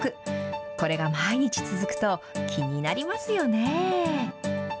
これが毎日続くと、気になりますよね。